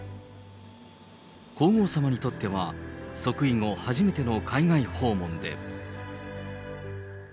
皇后さまにとっては、即位後初めての海外訪問で。